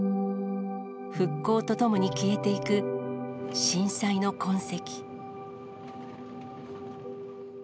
復興とともに消えていく震災の痕跡。